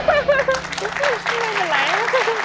แปลเลยแปลเลยใช่